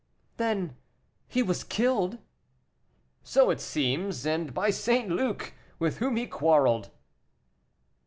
"Then, he was killed?" "So it seems; and by St. Luc, with whom he quarreled."